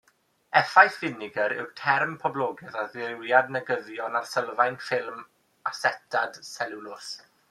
Effaith finegr yw'r term poblogaidd ar ddirywiad negyddion ar sylfaen ffilm asetad seliwlos.